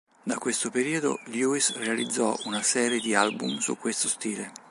Da questo periodo, Lewis realizzò una serie di album su questo stile.